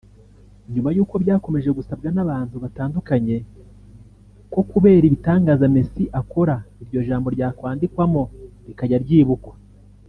nyuma y’uko byakomeje gusabwa n’abantu batandukanye ko kubera ibitangaza Messi akora iryo jambo ryakwandikwamo rikajya ryibukwa